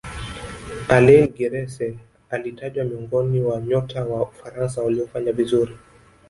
alaine giresse alitajwa miongoni wa nyota wa ufaransa waliofanya vizuri